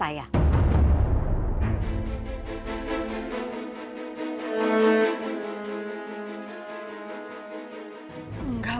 hanya sebesar yang ada